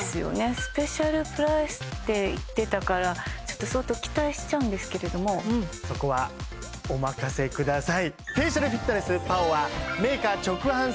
スペシャルプライスって言ってたからちょっと相当期待しちゃうんですけれどもうんそこはお任せください